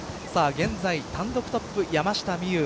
現在単独トップ山下美夢有